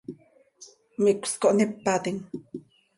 Micös cohnípatim.